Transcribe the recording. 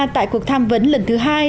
tại cuộc tham vấn lần thứ hai